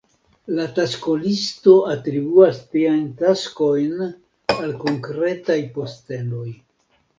La taskolisto atribuas tiajn taskojn al konkretaj postenoj.